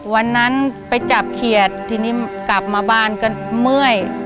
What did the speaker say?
วันนั้นไปจับเขียดทีนี้กลับมาบ้านก็เมื่อย